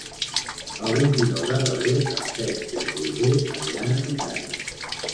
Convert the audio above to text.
El vint-i-nou de febrer en Cesc i en Roger aniran a Picanya.